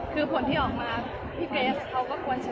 คือผลที่ออกมาพี่เกรษก็ควรชนะจริง